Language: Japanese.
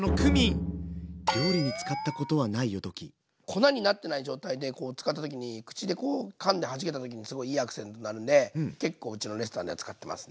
粉になってない状態で使った時に口でこうかんではじけた時にすごいいいアクセントになるんで結構うちのレストランでは使ってますね。